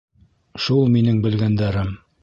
Шул минең белгәндәрем...